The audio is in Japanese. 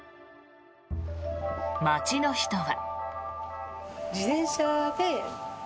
街の人は。